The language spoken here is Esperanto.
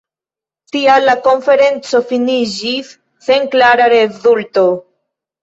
Tial la konferenco finiĝis sen klara rezulto.